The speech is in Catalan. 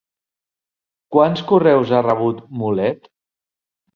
Quants correus ha rebut Mulet?